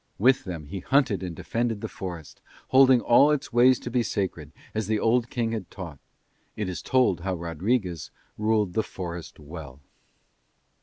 With them he hunted and defended the forest, holding all its ways to be sacred, as the old king had taught. It is told how Rodriguez ruled the forest well.